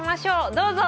どうぞ！